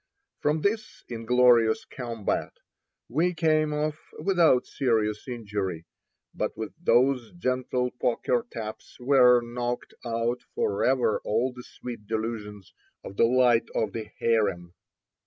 From this inglorious combat we came off without serious injury; but with those gentle poker taps were knocked out forever all the sweet delusions of the "Light of the Harem."